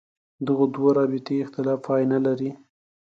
دغو دوو رابطې اختلاف پای نه لري.